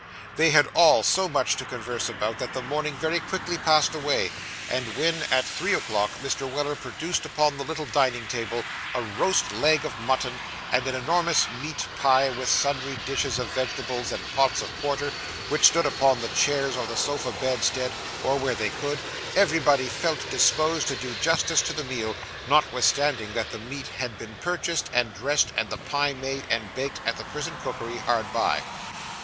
They had all so much to converse about, that the morning very quickly passed away; and when, at three o'clock, Mr. Weller produced upon the little dining table, a roast leg of mutton and an enormous meat pie, with sundry dishes of vegetables, and pots of porter, which stood upon the chairs or the sofa bedstead, or where they could, everybody felt disposed to do justice to the meal, notwithstanding that the meat had been purchased, and dressed, and the pie made, and baked, at the prison cookery hard by.